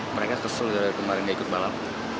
mereka kesel dari kemarin dia ikut balap